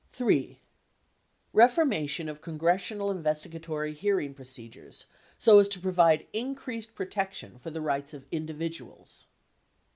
III. Reformation of congressional investigatory hearing proce dures so as to provide increased protection for the rights of individuals.